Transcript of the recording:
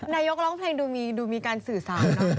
นายกร้องเพลงดูมีการสื่อสารเนอะ